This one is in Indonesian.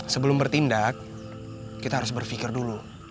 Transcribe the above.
sebelum bertindak kita harus berpikir dulu